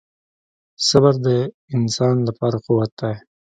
• صبر د انسان لپاره قوت دی.